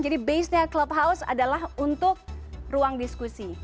jadi basenya clubhouse adalah untuk ruang diskusi